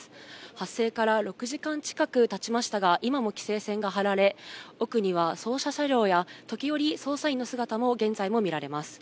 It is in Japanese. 発生から６時間近くたちましたが、今も規制線が張られ、奥には捜査車両や、時折、捜査員の姿も、現在も見られます。